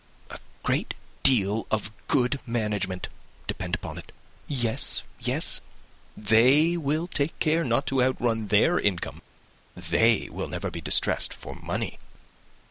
"A great deal of good management, depend upon it. Yes, yes. They will take care not to outrun their income. They will never be distressed for money.